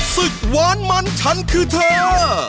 สืบหวานมันฉันคือเถอะ